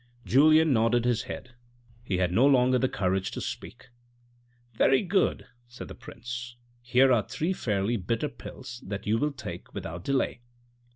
Julien nodded his head, he had no longer the courage to speak. " Very good," said the prince, "here are three fairly bitter pills that you will take without delay.